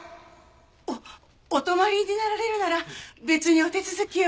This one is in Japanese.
おお泊まりになられるなら別にお手続きを。